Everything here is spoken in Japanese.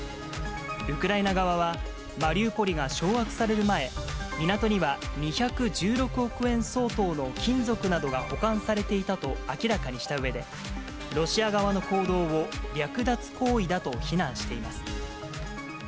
ウクライナ側は、マリウポリが掌握される前、港には２１６億円相当の金属などが保管されていたと明らかにしたうえで、ロシア側の報道を略奪行為だと非難しています。